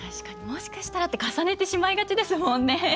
もしかしたらって重ねてしまいがちですもんね。